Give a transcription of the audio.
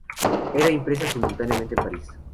Era impresa simultáneamente en París.